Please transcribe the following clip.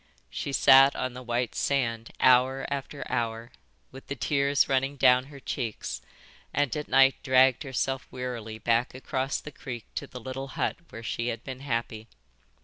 She sat on the white sand, hour after hour, with the tears running down her cheeks, and at night dragged herself wearily back across the creek to the little hut where she had been happy.